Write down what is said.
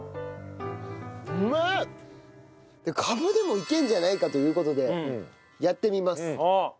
カブでもいけるんじゃないかという事でやってみます。